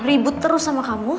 ribut terus sama kamu